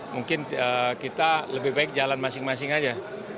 mungkin kita lebih baik jalan masing masing aja